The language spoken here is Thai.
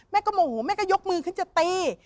แม่ก็โมโหแม่ก็ยกมือขึ้นจะตี